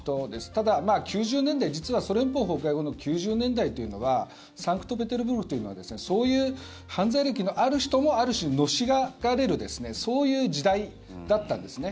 ただ、９０年代実はソ連邦崩壊後の９０年代というのはサンクトペテルブルクというのはそういう犯罪歴のある人もある種、のし上がれるそういう時代だったんですね。